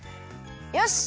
よし！